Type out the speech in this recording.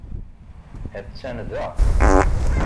Attan da.